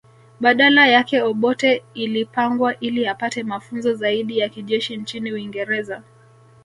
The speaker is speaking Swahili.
Badala yake Obote ilipangwa ili apate mafunzo zaidi ya kijeshi nchini Uingereza